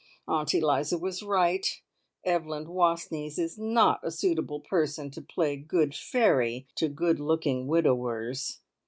Aunt Eliza was right Evelyn Wastneys is not a suitable person to play good fairy to good looking widowers!